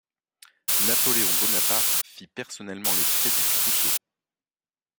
Napoléon Bonaparte fit personnellement les frais du trousseau.